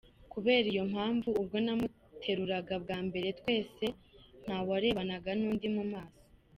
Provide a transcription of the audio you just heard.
Kubera iyo mpamvu, ubwo namuteruraga bwa mbere, twese ntawarebanaga n’undi mu maso.